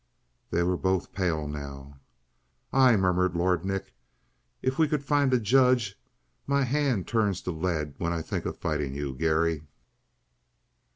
They were both pale now. "Aye," murmured Lord Nick, "if we could find a judge. My hand turns to lead when I think of fighting you, Garry."